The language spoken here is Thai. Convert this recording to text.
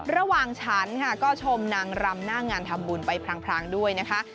ฉันค่ะก็ชมนางรำหน้างานทำบุญไปพรางด้วยนะคะ